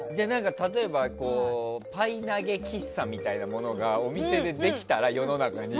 例えばパイ投げ喫茶みたいなものがお店で出来たら、世の中に。